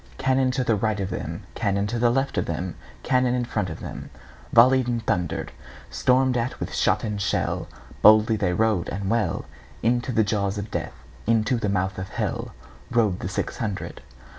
Cannon to right of them, Cannon to left of them, Cannon in front of themVolley'd and thunder'd; Storm'd at with shot and shell, Boldly they rode and well, Into the jaws of Death, Into the mouth of HellRode the six hundred.